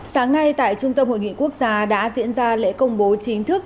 sáng nay tại trung tâm hội nghị quốc gia đã diễn ra lễ công bố chính thức